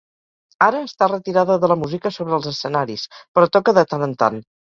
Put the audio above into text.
Ara està retirada de la música sobre els escenaris, però toca de tant en tant.